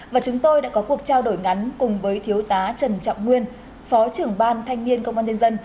và chúng tôi đã có cuộc trao đổi ngắn cùng với thiếu tá trần trọng nguyên phó trưởng ban thanh niên công an nhân dân